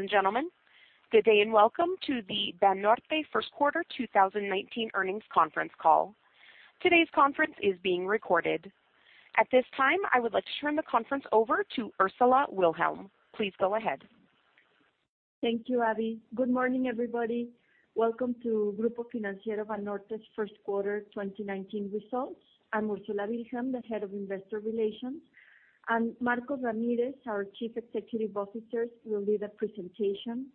Ladies and gentlemen, good day. Welcome to the Banorte First Quarter 2019 earnings conference call. Today's conference is being recorded. At this time, I would like to turn the conference over to Ursula Wilhelm. Please go ahead. Thank you, Abby. Good morning, everybody. Welcome to Grupo Financiero Banorte's first quarter 2019 results. I'm Ursula Wilhelm, the Head of Investor Relations, and Marcos Ramírez, our Chief Executive Officer, will lead the presentation.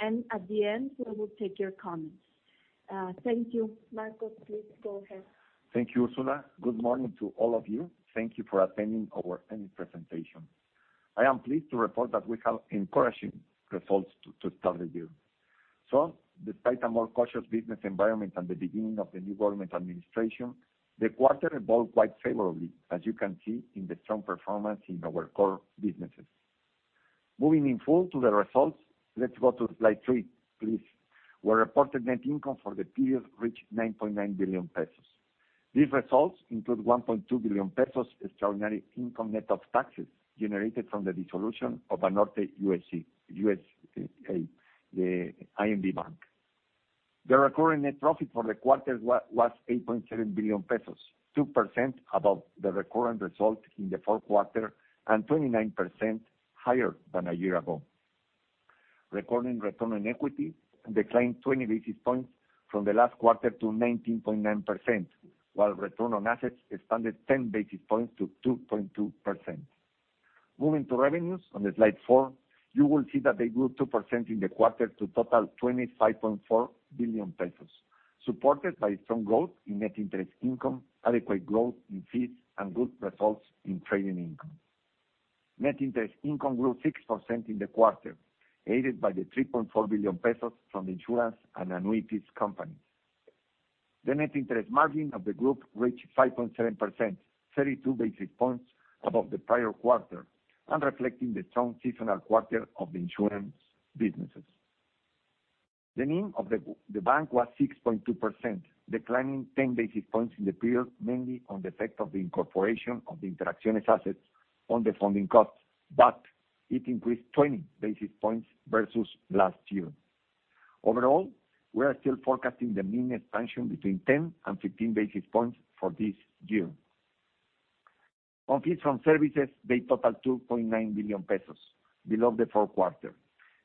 At the end, we will take your comments. Thank you. Marcos, please go ahead. Thank you, Ursula. Good morning to all of you. Thank you for attending our earnings presentation. I am pleased to report that we have encouraging results to start the year. Despite a more cautious business environment and the beginning of the new government administration, the quarter evolved quite favorably, as you can see in the strong performance in our core businesses. Moving in full to the results, let's go to slide three, please. Reported net income for the period reached 9.9 billion pesos. These results include 1.2 billion pesos extraordinary income net of taxes generated from the dissolution of Banorte USA, the Inter National Bank. The recurring net profit for the quarter was 8.7 billion pesos, 2% above the recurrent result in the fourth quarter, and 29% higher than a year ago. Recording return on equity declined 20 basis points from the last quarter to 19.9%, while return on assets expanded 10 basis points to 2.2%. Moving to revenues on slide four, you will see that they grew 2% in the quarter to total 25.4 billion pesos, supported by strong growth in net interest income, adequate growth in fees, and good results in trading income. Net interest income grew 6% in the quarter, aided by the 3.4 billion pesos from the insurance and annuities companies. The net interest margin of the group reached 5.7%, 32 basis points above the prior quarter, and reflecting the strong seasonal quarter of the insurance businesses. The NIM of the bank was 6.2%, declining 10 basis points in the period, mainly on the effect of the incorporation of the Interacciones assets on the funding costs, but it increased 20 basis points versus last year. Overall, we are still forecasting the NIM expansion between 10 and 15 basis points for this year. On fees from services, they total 2.9 billion pesos, below the fourth quarter.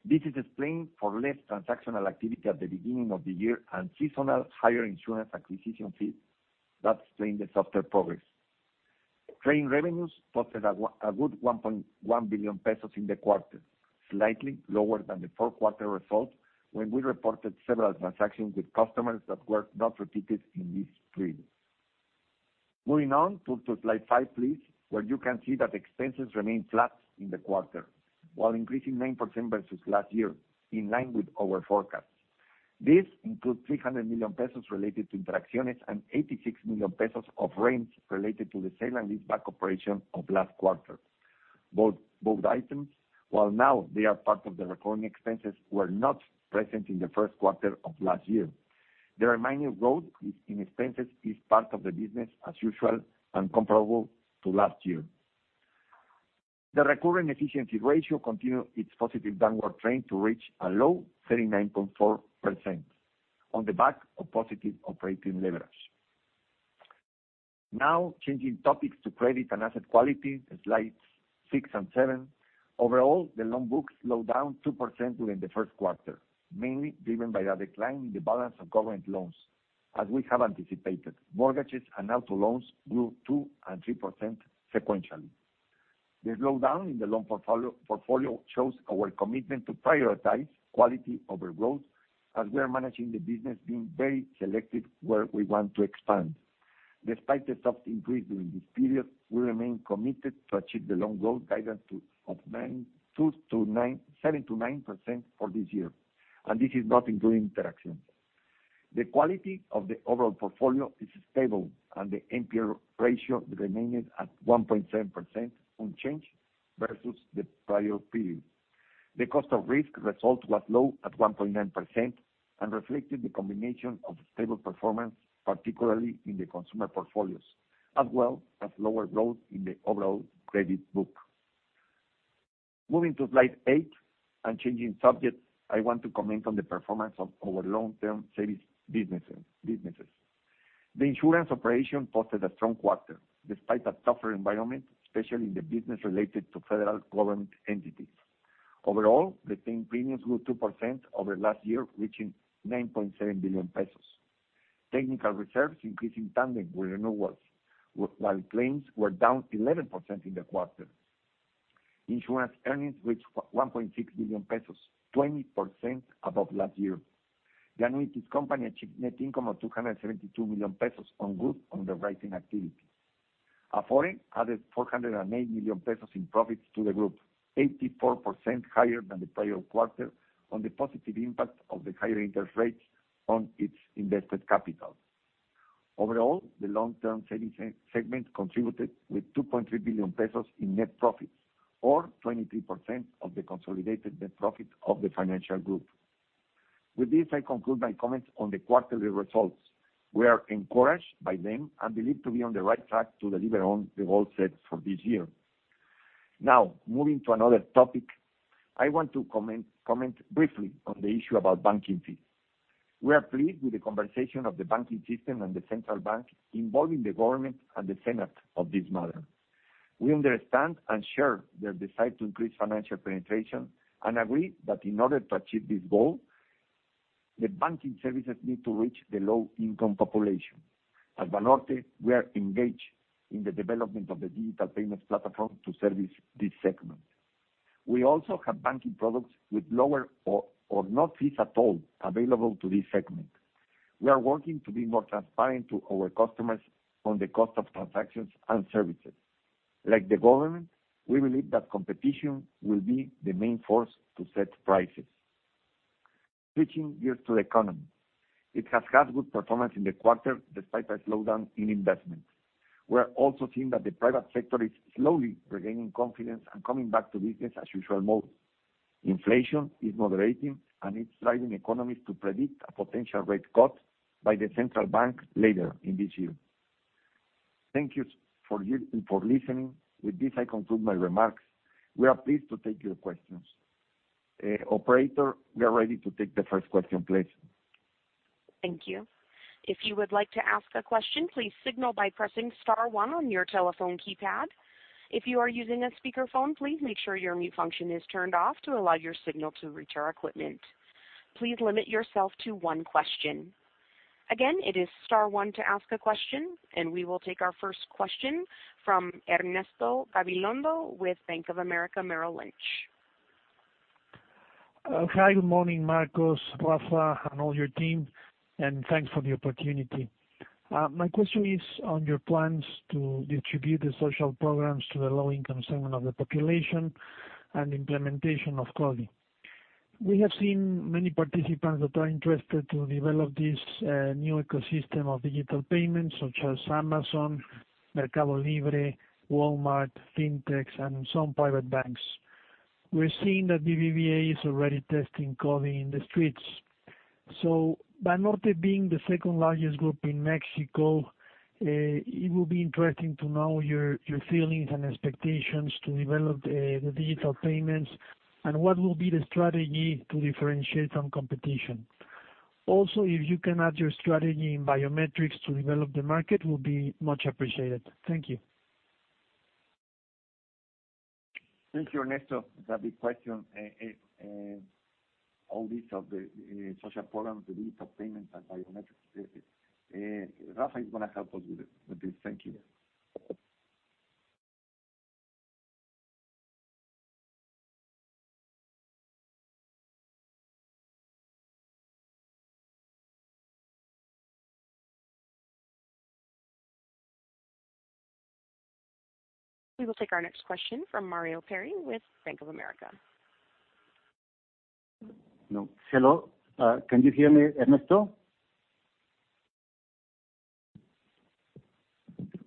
This is explained for less transactional activity at the beginning of the year and seasonal higher insurance acquisition fees that explain the softer progress. Trading revenues posted a good 1.1 billion pesos in the quarter, slightly lower than the fourth-quarter result, when we reported several transactions with customers that were not repeated in this period. Moving on to slide five, please, where you can see that expenses remained flat in the quarter, while increasing 9% versus last year, in line with our forecast. This includes 300 million pesos related to Interacciones and 86 million pesos of rents related to the sale and leaseback operation of last quarter. Both items, while now they are part of the recurring expenses, were not present in the first quarter of last year. The remaining growth in expenses is part of the business as usual and comparable to last year. The recurring efficiency ratio continued its positive downward trend to reach a low 39.4%, on the back of positive operating leverage. Now changing topics to credit and asset quality, slides six and seven. Overall, the loan book slowed down 2% during the first quarter, mainly driven by a decline in the balance of government loans, as we have anticipated. Mortgages and auto loans grew 2% and 3% sequentially. The slowdown in the loan portfolio shows our commitment to prioritize quality over growth, as we are managing the business being very selective where we want to expand. Despite the soft increase during this period, we remain committed to achieve the loan growth guidance of 7% to 9% for this year, and this is not including Interacciones. The quality of the overall portfolio is stable, and the NPL ratio remained at 1.7%, unchanged versus the prior period. The cost of risk result was low at 1.9% and reflected the combination of stable performance, particularly in the consumer portfolios, as well as lower growth in the overall credit book. Moving to slide eight and changing subjects, I want to comment on the performance of our long-term savings businesses. The insurance operation posted a strong quarter, despite a tougher environment, especially in the business related to federal government entities. Overall, the same premiums grew 2% over last year, reaching 9.7 billion pesos. Technical reserves increased in tandem with renewals, while claims were down 11% in the quarter. Insurance earnings reached 1.6 billion pesos, 20% above last year. The annuities company achieved net income of 272 million pesos on good underwriting activity. Afore added 408 million pesos in profits to the group, 84% higher than the prior quarter on the positive impact of the higher interest rates on its invested capital. Overall, the long-term savings segment contributed with 2.3 billion pesos in net profit or 23% of the consolidated net profit of the financial group. With this, I conclude my comments on the quarterly results. We are encouraged by them and believe to be on the right track to deliver on the goals set for this year. Now, moving to another topic, I want to comment briefly on the issue about banking fees. We are pleased with the conversation of the banking system and the central bank involving the government and the Senate of this matter. We understand and share their desire to increase financial penetration, and agree that in order to achieve this goal, the banking services need to reach the low-income population. At Banorte, we are engaged in the development of the digital payments platform to service this segment. We also have banking products with lower or no fees at all available to this segment. We are working to be more transparent to our customers on the cost of transactions and services. Like the government, we believe that competition will be the main force to set prices. Switching gears to the economy. It has had good performance in the quarter, despite a slowdown in investments. We are also seeing that the private sector is slowly regaining confidence and coming back to business as usual mode. Inflation is moderating, and it's driving economies to predict a potential rate cut by the central bank later in this year. Thank you for listening. With this, I conclude my remarks. We are pleased to take your questions. Operator, we are ready to take the first question, please. Thank you. If you would like to ask a question, please signal by pressing star one on your telephone keypad. If you are using a speakerphone, please make sure your mute function is turned off to allow your signal to reach our equipment. Please limit yourself to one question. Again, it is star one to ask a question, and we will take our first question from Ernesto Gabilondo with Bank of America Merrill Lynch. Hi, good morning, Marcos, Rafa, and all your team, and thanks for the opportunity. My question is on your plans to distribute the social programs to the low-income segment of the population and implementation of CODI. We have seen many participants that are interested to develop this new ecosystem of digital payments, such as Amazon, Mercado Libre, Walmart, Fintechs, and some private banks. We're seeing that BBVA is already testing CODI in the streets. Banorte being the second-largest group in Mexico, it will be interesting to know your feelings and expectations to develop the digital payments, and what will be the strategy to differentiate from competition. Also, if you can add your strategy in biometrics to develop the market, will be much appreciated. Thank you. Thank you, Ernesto, for that big question. All this of the social programs, the retail payments, and biometrics. Rafa is going to help us with this. Thank you. We will take our next question from Mario Pierry with Bank of America. Hello. Can you hear me, Ernesto?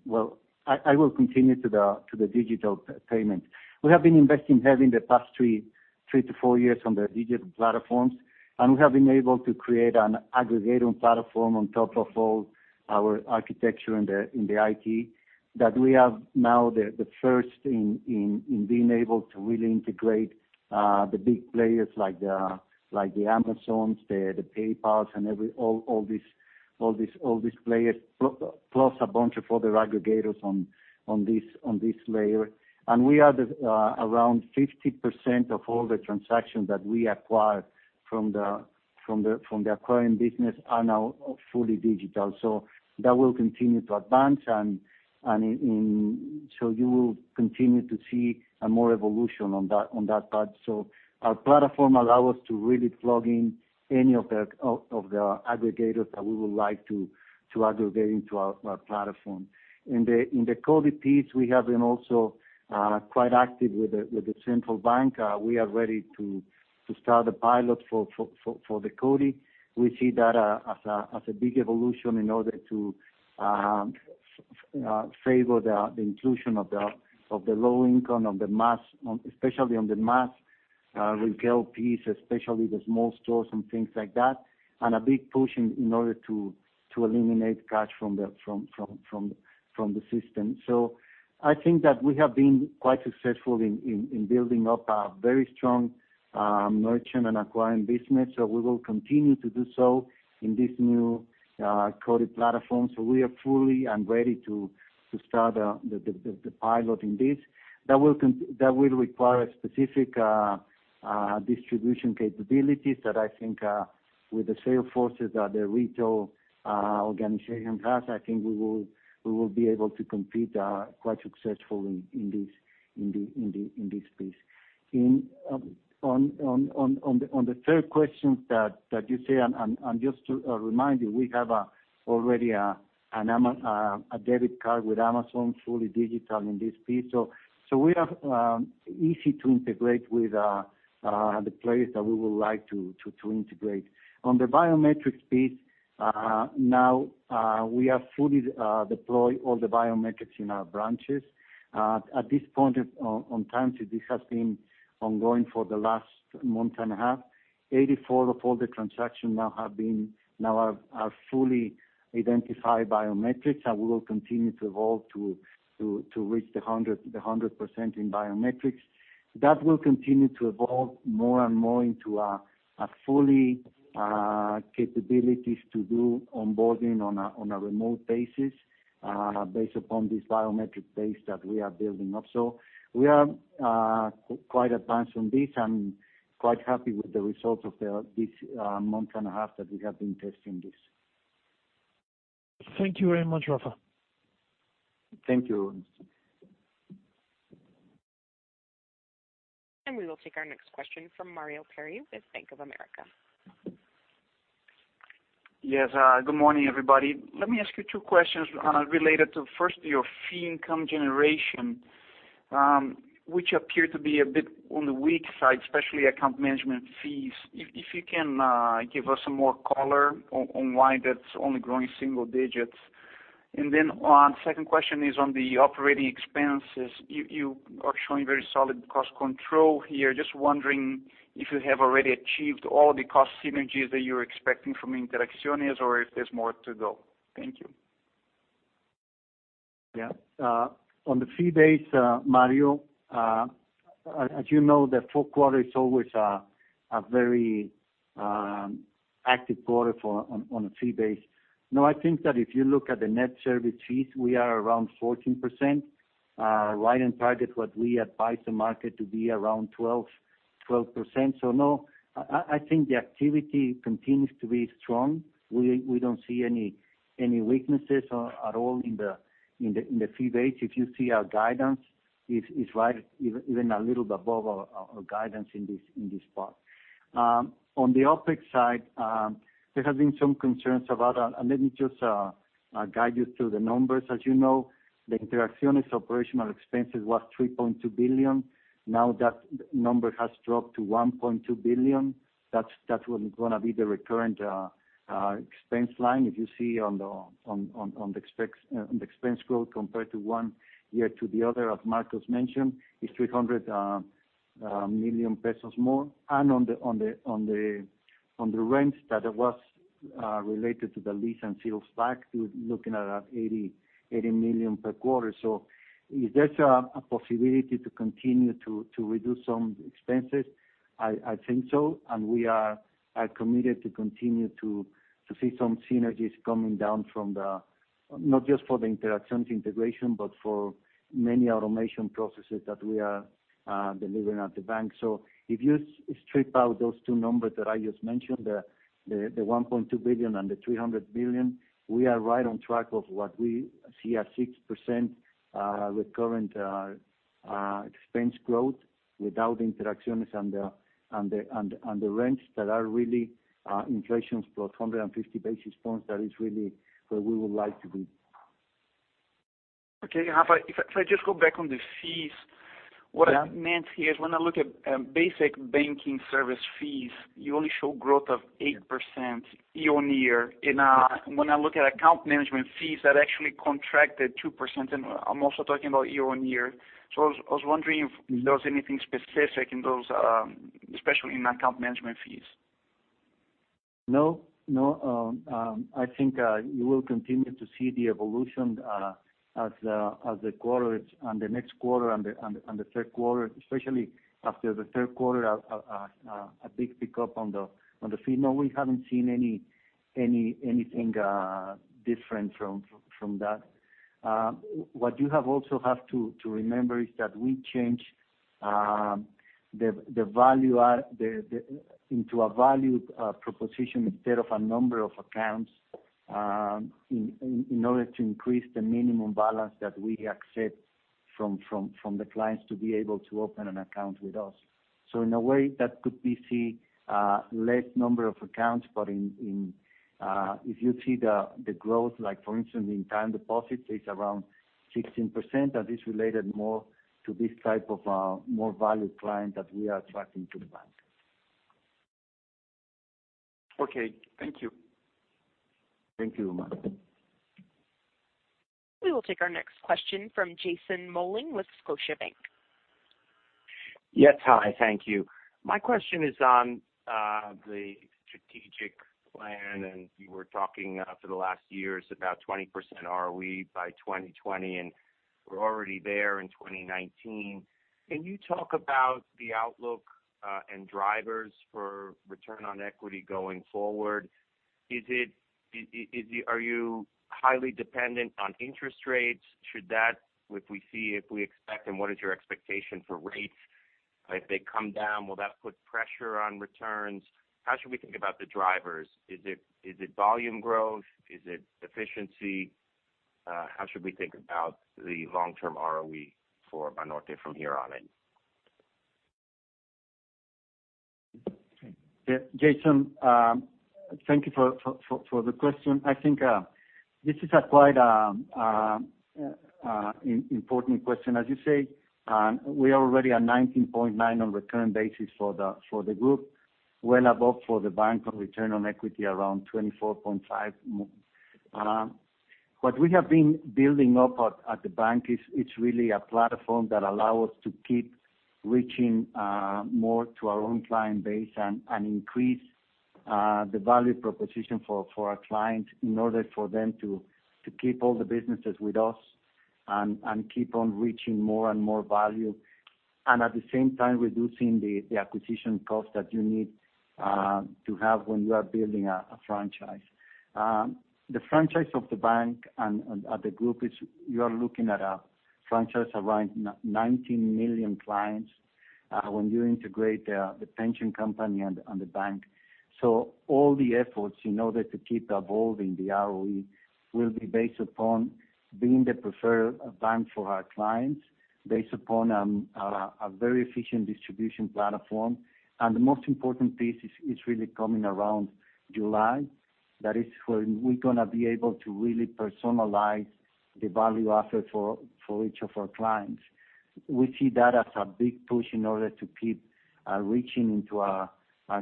Well, I will continue to the digital payment. We have been investing heavily the past three to four years on the digital platforms, and we have been able to create an aggregating platform on top of all our architecture in the IT, that we have now the first in being able to really integrate the big players like the Amazons, the PayPal, and all these players, plus a bunch of other aggregators on this layer. We are around 50% of all the transactions that we acquire from the acquiring business are now fully digital. That will continue to advance, you will continue to see more evolution on that part. Our platform allows us to really plug in any of the aggregators that we would like to aggregate into our platform. In the CODI piece, we have been also quite active with the central bank. We are ready to start a pilot for the CODI. We see that as a big evolution in order to favor the inclusion of the low income, especially on the mass retail piece, especially the small stores and things like that, and a big push in order to eliminate cash from the system. I think that we have been quite successful in building up a very strong merchant and acquiring business. We will continue to do so in this new CODI platform. We are fully and ready to start the pilot in this. That will require specific distribution capabilities that I think with the sales forces that the retail organization has, I think we will be able to compete quite successfully in this space. On the third question that you say, and just to remind you, we have already a debit card with Amazon, fully digital in this piece. We are easy to integrate with the players that we would like to integrate. On the biometrics piece, now we have fully deployed all the biometrics in our branches. At this point in time, this has been Ongoing for the last month and a half. 84 of all the transactions now are fully identified biometrics, and we will continue to evolve to reach the 100% in biometrics. That will continue to evolve more and more into a fully capabilities to do onboarding on a remote basis based upon this biometric base that we are building up. We are quite advanced on this. I'm quite happy with the results of this month and a half that we have been testing this. Thank you very much, Rafa. Thank you. We will take our next question from Mario Pierry with Bank of America. Yes. Good morning, everybody. Let me ask you two questions related to, first, your fee income generation, which appear to be a bit on the weak side, especially account management fees. If you can give us some more color on why that's only growing single digits. On second question is on the Operating expenses. You are showing very solid cost control here. Just wondering if you have already achieved all the cost synergies that you're expecting from Interacciones, or if there's more to go. Thank you. On the fee base, Mario, as you know, the fourth quarter is always a very active quarter on a fee base. No, I think that if you look at the net service fees, we are around 14%, right in target what we advise the market to be around 12%. No, I think the activity continues to be strong. We don't see any weaknesses at all in the fee base. If you see our guidance, it's right, even a little above our guidance in this part. On the OpEx side, there have been some concerns about. Let me just guide you through the numbers. As you know, the Interacciones Operating expenses was 3.2 billion. Now that number has dropped to 1.2 billion. That's what is going to be the recurrent expense line. If you see on the expense growth compared to one year to the other, as Marcos mentioned, is 300 million pesos more. On the rents that was related to the lease and fee of stock, we were looking at an 80 million per quarter. Is there a possibility to continue to reduce some expenses? I think so. We are committed to continue to see some synergies coming down, not just for the Interacciones integration, but for many automation processes that we are delivering at the bank. If you strip out those two numbers that I just mentioned, the 1.2 billion and the 300 billion, we are right on track of what we see as 6% recurrent expense growth without Interacciones and the rents that are really inflation plus 150 basis points. That is really where we would like to be. Okay. If I just go back on the fees- Yeah. What I meant here is when I look at basic banking service fees, you only show growth of 8% year-over-year. When I look at account management fees, that actually contracted 2%, and I'm also talking about year-over-year. I was wondering if there was anything specific in those, especially in account management fees. No. I think you will continue to see the evolution as the quarter, on the next quarter and the third quarter, especially after the third quarter, a big pickup on the fee. No, we haven't seen anything different from that. What you have also have to remember is that we change into a valued proposition instead of a number of accounts in order to increase the minimum balance that we accept from the clients to be able to open an account with us. In a way, that could be, see less number of accounts, but if you see the growth, like for instance, in time deposits is around 16%, and it's related more to this type of more valued client that we are attracting to the bank. Okay. Thank you. Thank you. We will take our next question from Jason Mollin with Scotiabank. Yes, hi. Thank you. My question is on the strategic plan. You were talking for the last years about 20% ROE by 2020. We're already there in 2019. Can you talk about the outlook and drivers for return on equity going forward? Are you highly dependent on interest rates? If we see, if we expect, what is your expectation for rates? If they come down, will that put pressure on returns? How should we think about the drivers? Is it volume growth? Is it efficiency? How should we think about the long-term ROE for Banorte from here on in? Jason, thank you for the question. I think this is a quite important question. As you say, we are already at 19.9 on return basis for the group, well above for the bank on return on equity, around 24.5%. What we have been building up at the bank is really a platform that allows us to keep reaching more to our own client base, increase the value proposition for our clients in order for them to keep all the businesses with us, keep on reaching more and value. At the same time, reducing the acquisition cost that you need to have when you are building a franchise. The franchise of the bank and the group is you are looking at a franchise around 19 million clients, when you integrate the pension company and the bank. All the efforts in order to keep evolving the ROE will be based upon being the preferred bank for our clients, based upon a very efficient distribution platform. The most important piece is really coming around July. That is when we're going to be able to really personalize the value offer for each of our clients. We see that as a big push in order to keep reaching into our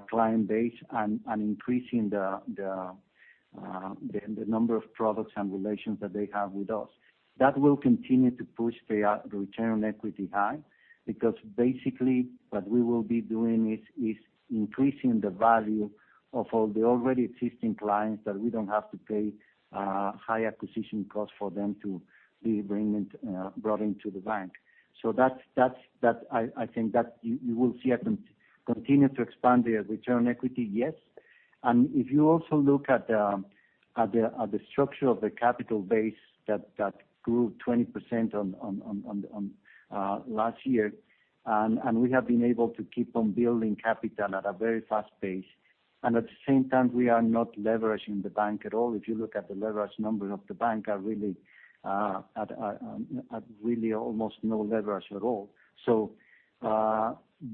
client base and increasing the number of products and relations that they have with us. That will continue to push the return on equity high, because basically what we will be doing is increasing the value of all the already existing clients, that we don't have to pay high acquisition costs for them to be brought into the bank. I think that you will see us continue to expand the return equity. Yes. If you also look at the structure of the capital base that grew 20% on last year, and we have been able to keep on building capital at a very fast pace. At the same time, we are not leveraging the bank at all. If you look at the leverage numbers of the bank are really at almost no leverage at all.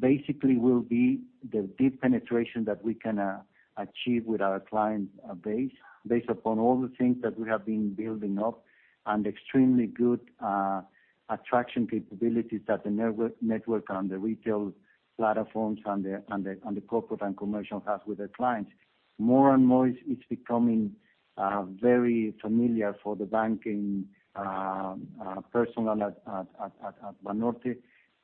Basically, we'll be the deep penetration that we can achieve with our client base, based upon all the things that we have been building up, and extremely good attraction capabilities that the network and the retail platforms and the corporate and commercial have with their clients. More and more, it's becoming very familiar for the banking personal at Banorte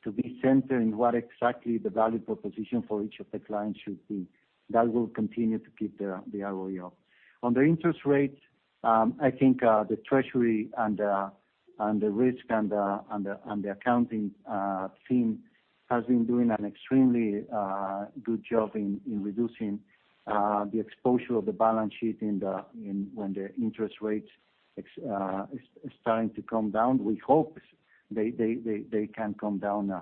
to be center in what exactly the value proposition for each of the clients should be. That will continue to keep the ROE up. On the interest rates, I think the treasury and the risk and the accounting team has been doing an extremely good job in reducing the exposure of the balance sheet when the interest rates is starting to come down. We hope they can come down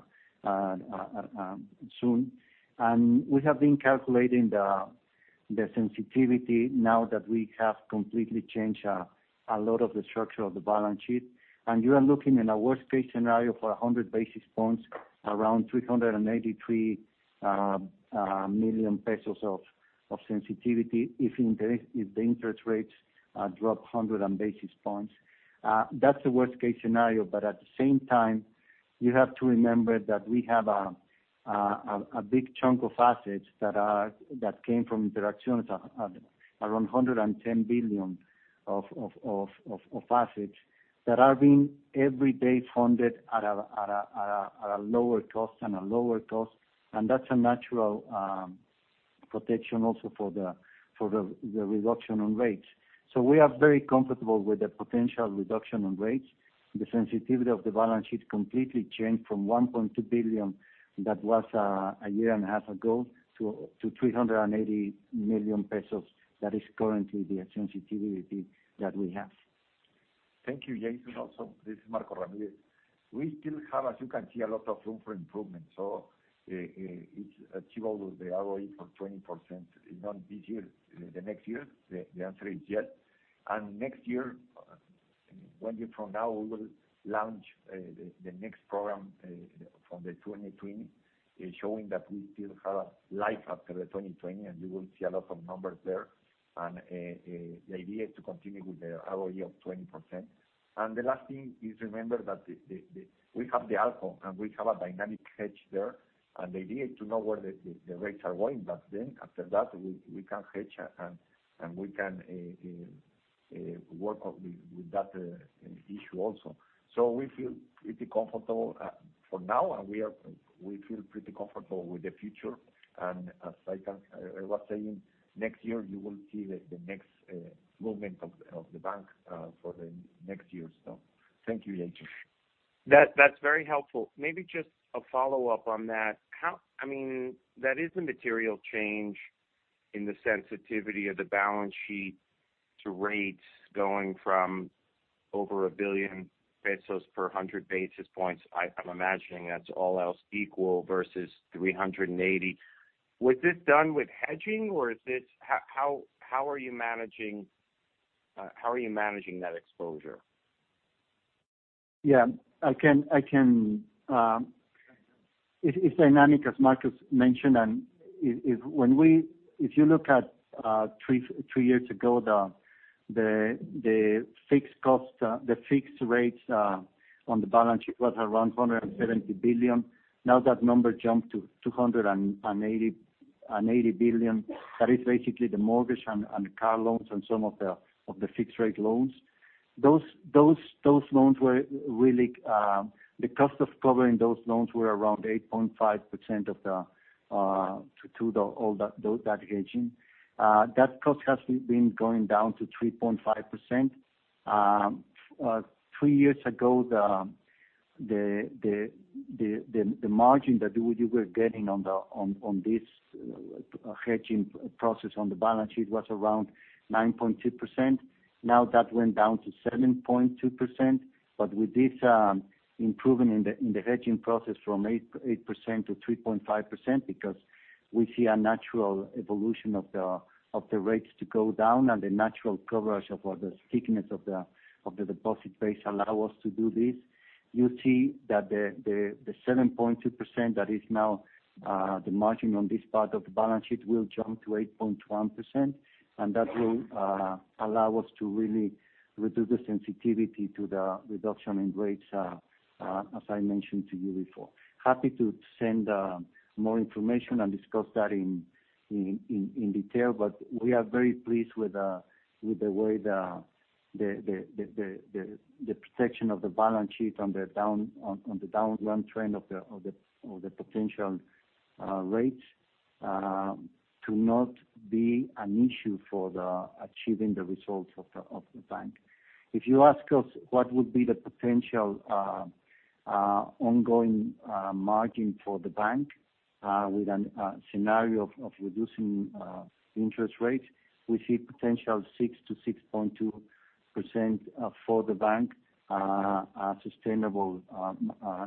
soon. We have been calculating the sensitivity now that we have completely changed a lot of the structure of the balance sheet. You are looking in a worst-case scenario for 100 basis points, around 383 million pesos of sensitivity, if the interest rates drop 100 basis points. That's the worst-case scenario. At the same time, you have to remember that we have a big chunk of assets that came from Interacciones, around 110 billion of assets that are being every day funded at a lower cost. That's a natural protection also for the reduction on rates. We are very comfortable with the potential reduction on rates. The sensitivity of the balance sheet completely changed from 1.2 billion, that was a year and a half ago, to 380 million pesos that is currently the sensitivity that we have. Thank you, Jason. Also, this is Marcos Ramírez Miguel. We still have, as you can see, a lot of room for improvement. It's achievable, the ROE for 20%, if not this year, the next year. The answer is yes. Next year, one year from now, we will launch the next program from the 2020, showing that we still have life after the 2020, and you will see a lot of numbers there. The idea is to continue with the ROE of 20%. The last thing is remember that we have the ALCO, and we have a dynamic hedge there, and the idea is to know where the rates are going. After that, we can hedge and we can work with that issue also. We feel pretty comfortable for now, and we feel pretty comfortable with the future. As I was saying, next year you will see the next movement of the bank for the next year. Thank you, Jason. That's very helpful. Maybe just a follow-up on that. That is a material change in the sensitivity of the balance sheet to rates going from over 1 billion pesos per 100 basis points. I'm imagining that's all else equal versus 380. Was this done with hedging, or how are you managing that exposure? It's dynamic, as Marcos Ramírez Miguel mentioned, and if you look at three years ago, the fixed rates on the balance sheet was around 170 billion. Now that number jumped to 280 billion, that is basically the mortgage and car loans and some of the fixed-rate loans. The cost of covering those loans were around 8.5% to all that hedging. That cost has been going down to 3.5%. Three years ago, the margin that you were getting on this hedging process on the balance sheet was around 9.2%. Now, that went down to 7.2%, but with this improvement in the hedging process from 8%-3.5%, because we see a natural evolution of the rates to go down and the natural coverage or the thickness of the deposit base allow us to do this. You see that the 7.2% that is now the margin on this part of the balance sheet will jump to 8.1%, that will allow us to really reduce the sensitivity to the reduction in rates, as I mentioned to you before. Happy to send more information and discuss that in detail, we are very pleased with the way the protection of the balance sheet on the down run trend of the potential rates to not be an issue for achieving the results of the bank. If you ask us what would be the potential ongoing margin for the bank with a scenario of reducing interest rates, we see potential 6%-6.2% for the bank, a sustainable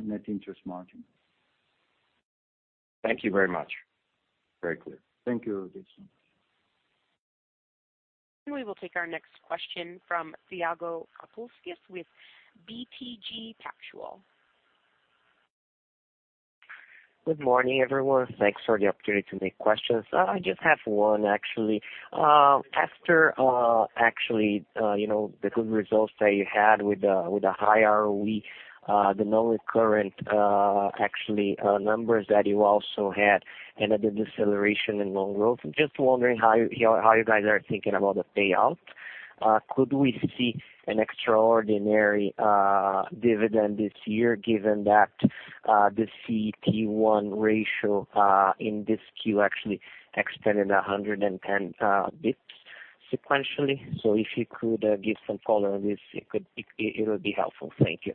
net interest margin. Thank you very much. Very clear. Thank you, Jason. We will take our next question from Thiago Kapulski with BTG Pactual. Good morning, everyone. Thanks for the opportunity to make questions. I just have one, actually. After the good results that you had with the high ROE, the non-recurring numbers that you also had, the deceleration in loan growth, just wondering how you guys are thinking about the payout. Could we see an extraordinary dividend this year given that the CET1 ratio in this queue actually extended 110 basis points sequentially? If you could give some color on this, it would be helpful. Thank you.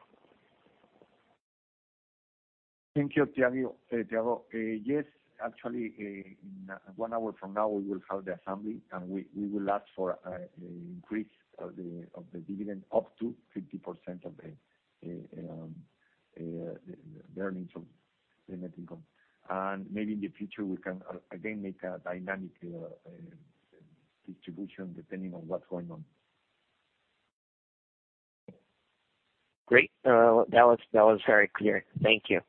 Thank you, Thiago. Yes, actually, in one hour from now, we will have the assembly, we will ask for an increase of the dividend up to 50% of the earnings of the net income. Maybe in the future, we can again make a dynamic distribution depending on what's going on. Great. That was very clear. Thank you.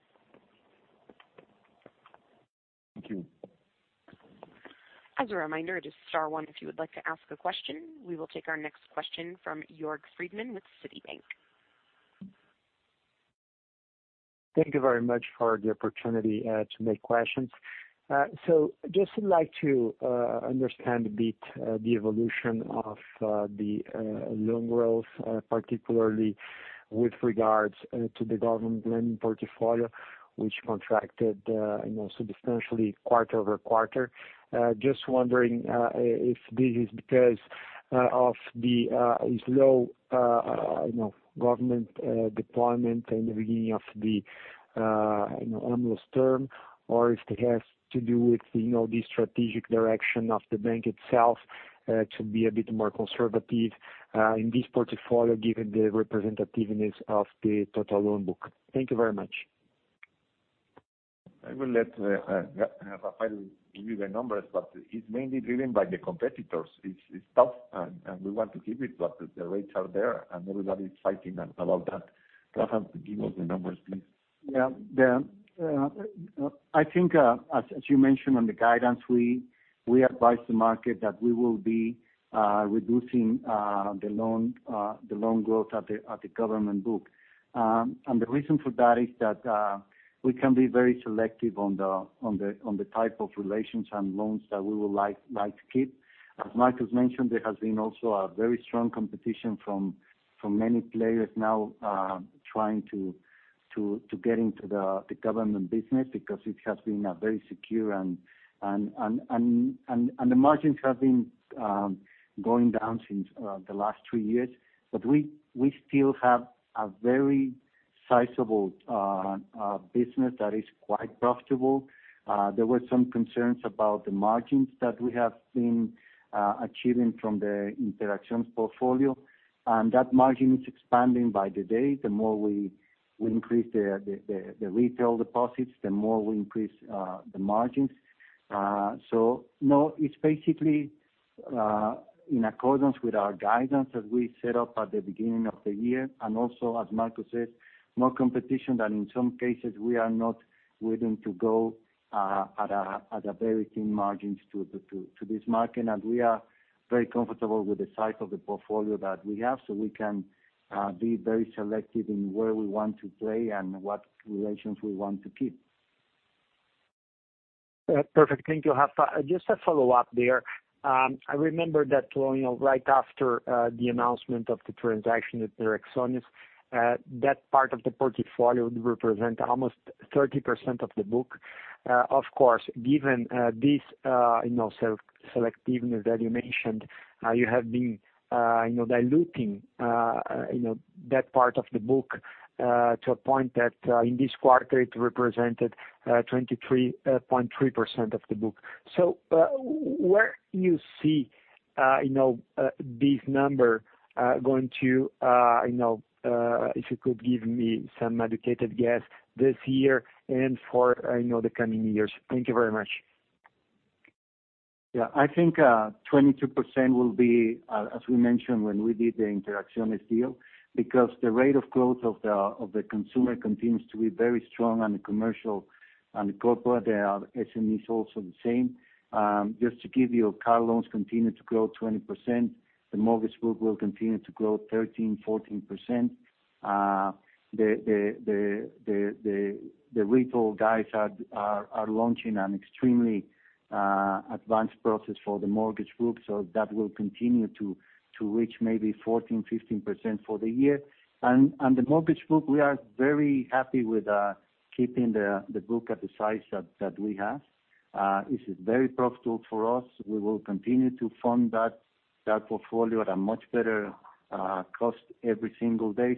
Thank you. As a reminder, just star one if you would like to ask a question. We will take our next question from Jorge Friedman with Citigroup. Thank you very much for the opportunity to make questions. Just would like to understand a bit the evolution of the loan growth, particularly with regards to the government lending portfolio, which contracted substantially quarter-over-quarter. Just wondering if this is because of the slow government deployment in the beginning of the AMLO's term, or if it has to do with the strategic direction of the bank itself to be a bit more conservative in this portfolio, given the representativeness of the total loan book. Thank you very much. I will let Rafael give you the numbers, but it's mainly driven by the competitors. It's tough, and we want to keep it, but the rates are there and everybody is fighting about that. Rafael, give us the numbers, please. Yeah. I think, as you mentioned on the guidance, we advise the market that we will be reducing the loan growth at the government book. The reason for that is that we can be very selective on the type of relations and loans that we would like to keep. As Marcos mentioned, there has been also a very strong competition from many players now trying to get into the government business because it has been very secure, and the margins have been going down since the last three years. We still have a very sizable business that is quite profitable. There were some concerns about the margins that we have been achieving from the Interacciones portfolio, that margin is expanding by the day. The more we increase the retail deposits, the more we increase the margins. No, it's basically in accordance with our guidance that we set up at the beginning of the year, also, as Marcos said, more competition than in some cases, we are not willing to go at a very thin margin to this market. We are very comfortable with the size of the portfolio that we have, so we can be very selective in where we want to play and what relations we want to keep. Perfect. Thank you, Rafa. Just a follow-up there. I remember that right after the announcement of the transaction with Interacciones, that part of the portfolio would represent almost 30% of the book. Of course, given this selectiveness that you mentioned, you have been diluting that part of the book to a point that in this quarter it represented 23.3% of the book. Where you see this number going to, if you could give me some educated guess this year and for the coming years. Thank you very much. Yeah, I think 22% will be, as we mentioned when we did the Interacciones deal, because the rate of growth of the consumer continues to be very strong on the commercial and corporate, the SMEs also the same. Just to give you, car loans continue to grow 20%. The mortgage book will continue to grow 13%-14%. The retail guys are launching an extremely advanced process for the mortgage book, so that will continue to reach maybe 14%-15% for the year. The mortgage book, we are very happy with keeping the book at the size that we have. This is very profitable for us. We will continue to fund that portfolio at a much better cost every single day.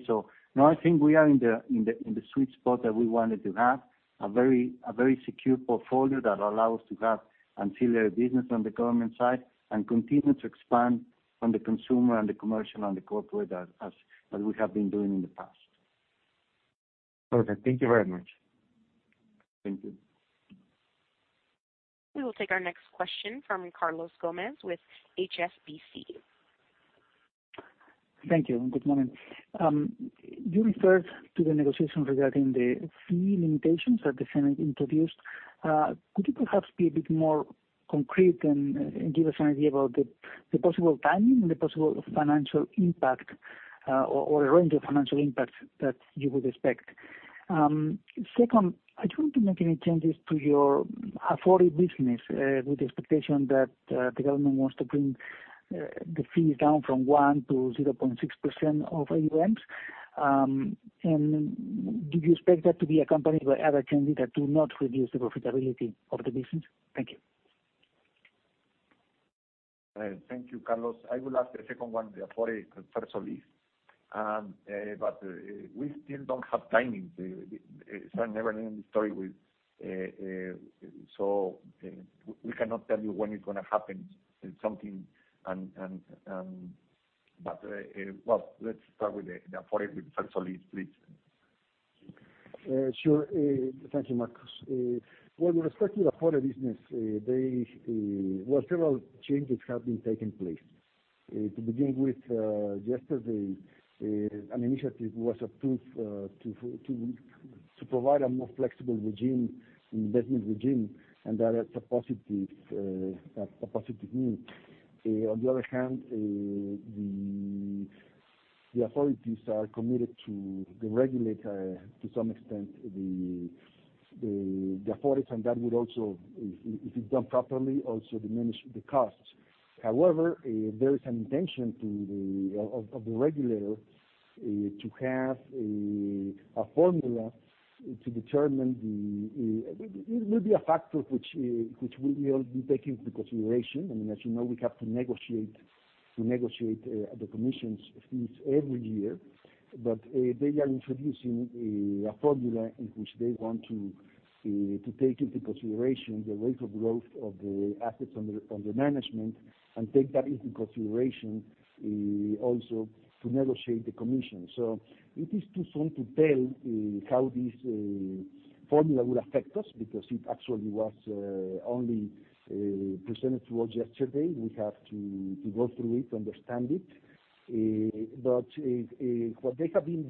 No, I think we are in the sweet spot that we wanted to have, a very secure portfolio that allow us to have ancillary business on the government side and continue to expand on the consumer and the commercial and the corporate as we have been doing in the past. Perfect. Thank you very much. Thank you. We will take our next question from Carlos Gomez-Lopez with HSBC. Thank you. Good morning. You referred to the negotiations regarding the fee limitations that the Senate introduced. Could you perhaps be a bit more concrete and give us an idea about the possible timing and the possible financial impact or a range of financial impacts that you would expect? Second, are you going to make any changes to your Afore business with the expectation that the government wants to bring the fees down from 1% to 0.6% of AUMs? Do you expect that to be accompanied by other changes that do not reduce the profitability of the business? Thank you. Thank you, Carlos. I will ask the second one, the Afore, Fer-Soli We still don't have timing. It's a never ending story, we cannot tell you when it's going to happen. Well, let's start with the Afore with First to lead, please. Sure. Thank you, Marcos. Well, with respect to the Afore business, well, several changes have been taking place. To begin with, yesterday, an initiative was approved to provide a more flexible regime, investment regime, that is positive news. On the other hand, the authorities are committed to deregulate, to some extent, the Afores, that would also, if it's done properly, also diminish the costs. However, there is an intention of the regulator to have a formula to determine it will be a factor which we will be taking into consideration. I mean, as you know, we have to negotiate the commission's fees every year. They are introducing a formula in which they want to take into consideration the rate of growth of the assets under management and take that into consideration also to negotiate the commission. It is too soon to tell how this formula will affect us because it actually was only presented to us yesterday. We have to go through it to understand it. What they have been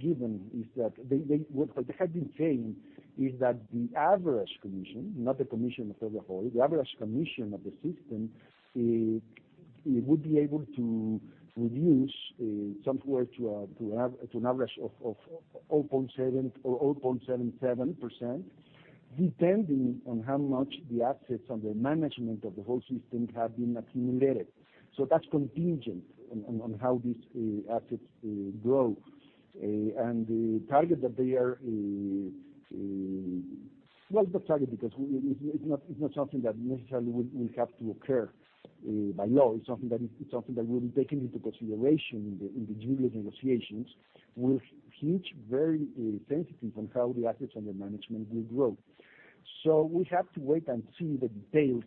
saying is that the average commission, not the commission of the whole, the average commission of the system would be able to reduce somewhere to an average of 0.77%, depending on how much the assets under management of the whole system have been accumulated. That's contingent on how these assets grow. The target that they are, well, it's not target because it's not something that necessarily will have to occur by law. It's something that will be taken into consideration in the yearly negotiations, will hinge very sensitive on how the assets under management will grow. We have to wait and see the details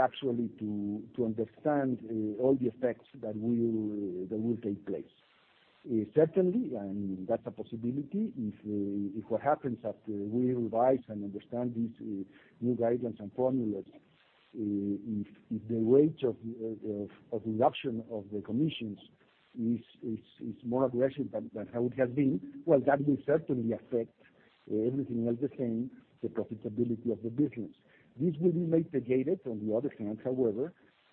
actually to understand all the effects that will take place. Certainly, that's a possibility, if what happens after we revise and understand these new guidelines and formulas, if the rate of reduction of the commissions is more aggressive than how it has been, well, that will certainly affect everything else the same, the profitability of the business. This will be mitigated, on the other hand, however,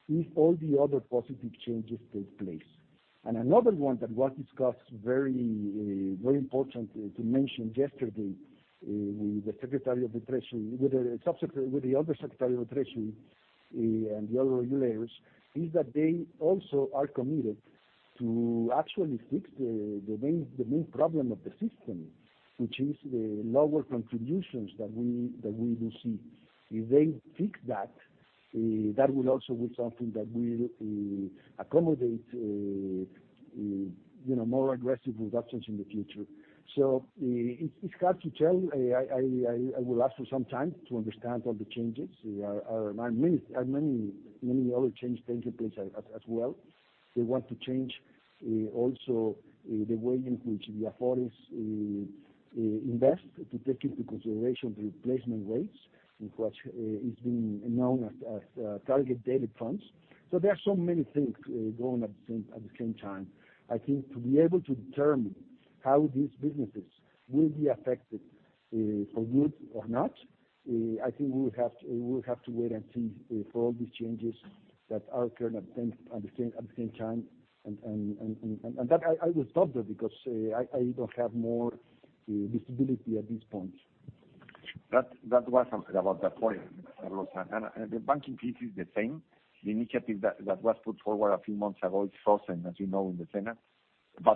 if all the other positive changes take place. Another one that was discussed, very important to mention yesterday with the undersecretary of the Treasury and the other regulators, is that they also are committed to actually fix the main problem of the system, which is the lower contributions that we do see. If they fix that will also be something that will accommodate more aggressive reductions in the future. It's hard to tell. I will ask for some time to understand all the changes. There are many other changes taking place as well. They want to change also the way in which the Afores invest to take into consideration the replacement rates, which is being known as target date funds. There are so many things going at the same time. I think to be able to determine how these businesses will be affected for good or not, I think we will have to wait and see for all these changes that are occurring at the same time. That I will stop there because I don't have more visibility at this point. That was something about that point, Carlos. The banking piece is the same. The initiative that was put forward a few months ago, it's frozen, as you know, in the Senate.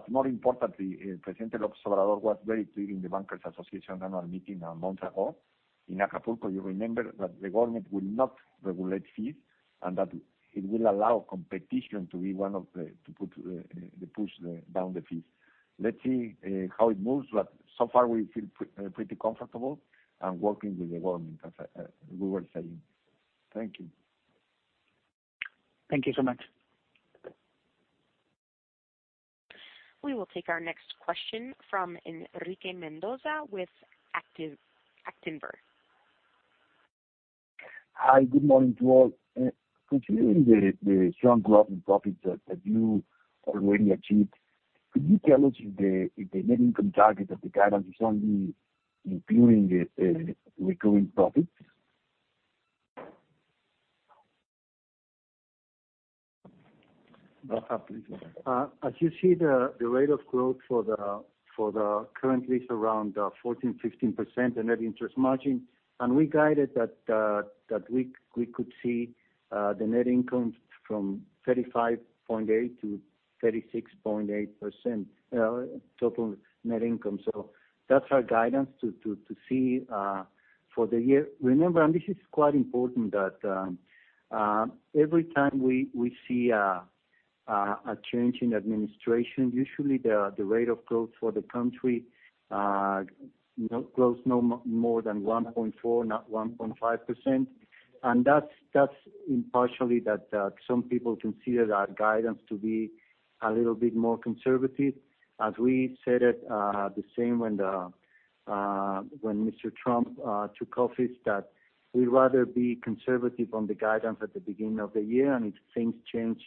More importantly, President López Obrador was very clear in the Bankers Association annual meeting a month ago in Acapulco. You remember that the government will not regulate fees, and that it will allow competition to push down the fees. Let's see how it moves, but so far, we feel pretty comfortable and working with the government, as we were saying. Thank you. Thank you so much. We will take our next question from Enrique Mendoza with Actinver. Hi, good morning to all. Considering the strong growth in profits that you already achieved, could you tell us if the net income target of the guidance is only including the recurring profits? As you see, the rate of growth for the current is around 14%-15%, the net interest margin. We guided that we could see the net income from 35.8%-36.8%, total net income. That's our guidance to see for the year. Remember, this is quite important, that every time we see a change in administration, usually the rate of growth for the country grows no more than 1.4, not 1.5%. That's in part that some people consider our guidance to be a little bit more conservative. As we said it the same when Mr. Trump took office, that we'd rather be conservative on the guidance at the beginning of the year, if things change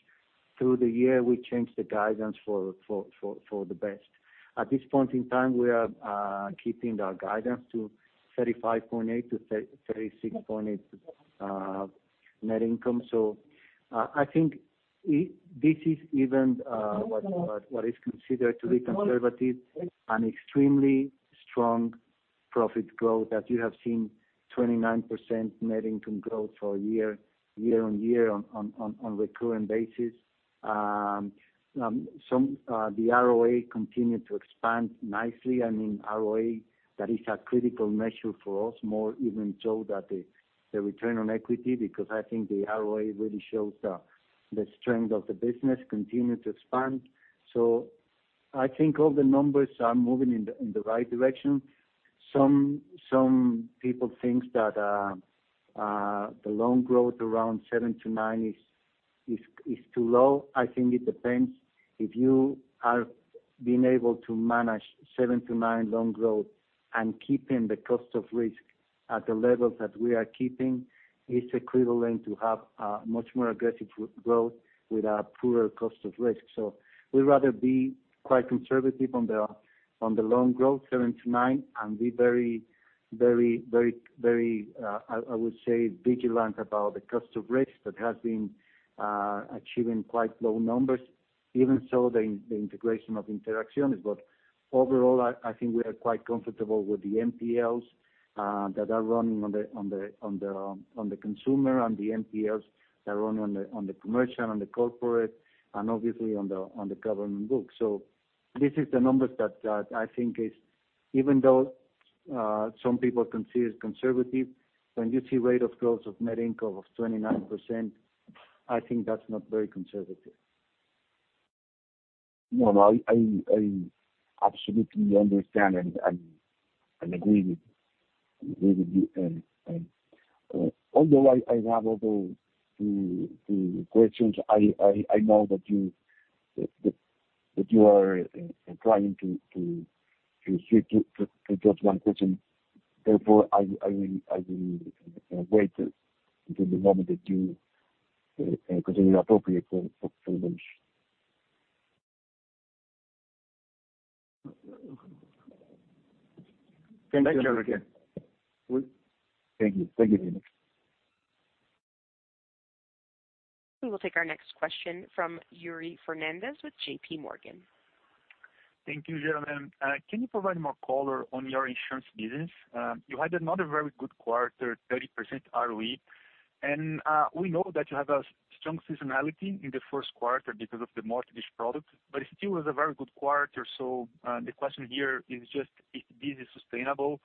through the year, we change the guidance for the best. At this point in time, we are keeping our guidance to 35.8%-36.8% net income. I think this is even what is considered to be conservative and extremely strong profit growth as you have seen 29% net income growth for a year-on-year on recurring basis. The ROA continued to expand nicely. In ROA, that is a critical measure for us, more even so than the return on equity, because I think the ROA really shows the strength of the business continue to expand. I think all the numbers are moving in the right direction. Some people think that the loan growth around 7-9 is too low. I think it depends. If you are being able to manage 7-9 loan growth and keeping the cost of risk at the levels that we are keeping, it's equivalent to have a much more aggressive growth with a poorer cost of risk. We'd rather be quite conservative on the loan growth, seven to nine, and be very, I would say, vigilant about the cost of risk that has been achieving quite low numbers, even so the integration of Interacciones. Overall, I think we are quite comfortable with the NPLs that are running on the consumer and the NPLs that run on the commercial and the corporate, and obviously on the government books. This is the numbers that I think is, even though some people consider it conservative, when you see rate of growth of net income of 29%, I think that's not very conservative. No, I absolutely understand and agree with you. Although I have other questions, I know that you are trying to stick to just one question. Therefore, I will wait until the moment that you consider appropriate for those. Thank you. Thank you very much. We will take our next question from Yuri Fernandes with JPMorgan. Thank you, gentlemen. Can you provide more color on your insurance business? You had another very good quarter, 30% ROE, and we know that you have a strong seasonality in the first quarter because of the mortgage product, but it still was a very good quarter. The question here is just if this is sustainable.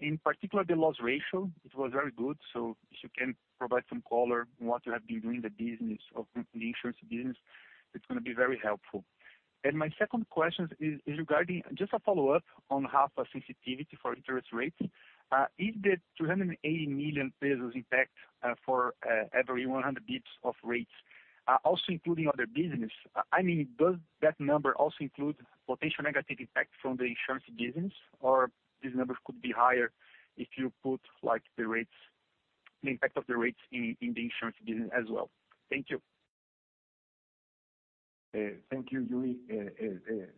In particular, the loss ratio, it was very good. If you can provide some color on what you have been doing in the insurance business, it's going to be very helpful. My second question is regarding just a follow-up on half sensitivity for interest rates. Is the 380 million pesos impact for every 100 basis points of rates, also including other business? Does that number also include potential negative impact from the insurance business? These numbers could be higher if you put the impact of the rates in the insurance business as well. Thank you. Thank you, Yuri.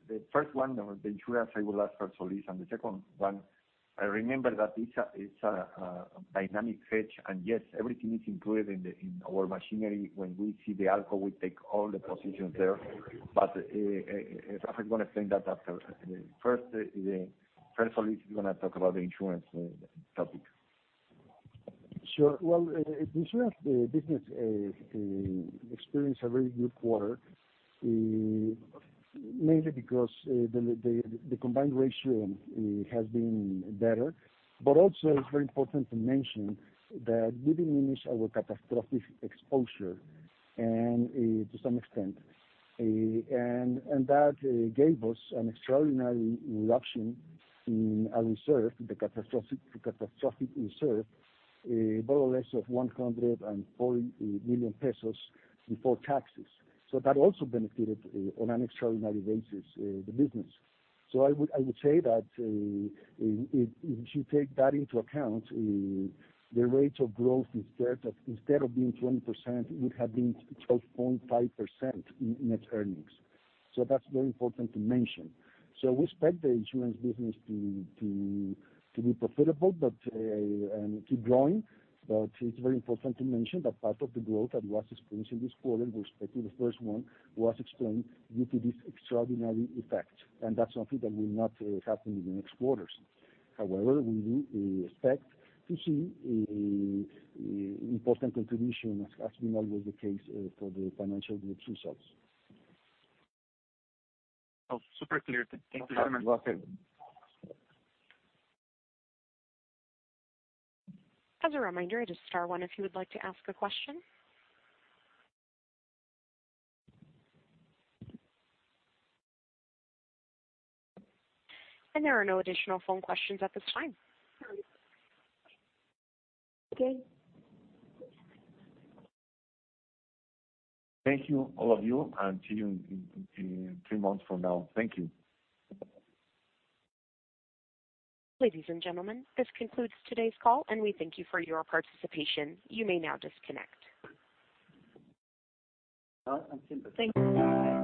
The first one on the insurance, I will ask for Solís. On the second one, remember that it's a dynamic hedge, and yes, everything is included in our machinery. When we see the ALCO, we take all the positions there. Rafael is going to explain that after. First, Solís is going to talk about the insurance topic. Well, the insurance business experienced a very good quarter. Mainly because the combined ratio has been better, but also it is very important to mention that we diminished our catastrophic exposure to some extent. That gave us an extraordinary reduction in our reserve, the catastrophic reserve, more or less of 140 million pesos before taxes. That also benefited on an extraordinary basis, the business. I would say that if you take that into account, the rate of growth instead of being 20%, it would have been 12.5% in net earnings. That is very important to mention. We expect the insurance business to be profitable and keep growing. It is very important to mention that part of the growth that was experienced in this quarter with respect to the first one, was explained due to this extraordinary effect, and that is something that will not happen in the next quarters. However, we do expect to see important contribution, as has been always the case for the financial group results. Super clear. Thank you so much. You are welcome. As a reminder, just star one if you would like to ask a question. There are no additional phone questions at this time. Okay. Thank you, all of you, and see you in three months from now. Thank you. Ladies and gentlemen, this concludes today's call and we thank you for your participation. You may now disconnect. Well, simple. Thank you.